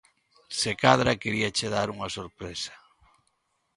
Se cadra queríache dar unha sorpresa.